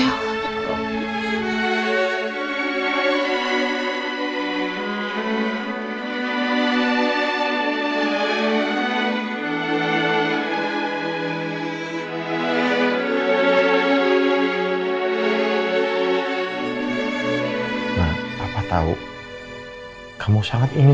ya allah ya tak begitu